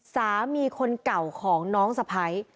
สามีคนเก่าของน้องสะพ้าย